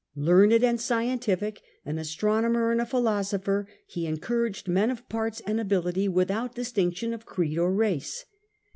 Learned and scientific, an astronomer and a philosopher, he encouraged men of parts and ability without distinction of creed or race.